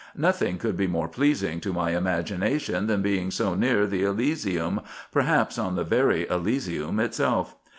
Nothing could be more pleasing to my imagination than being so near the Elysium, perhaps on the very Elysium itself.